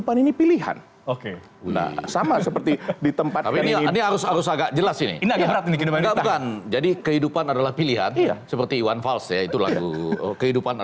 pelagu kehidupan adalah pilihan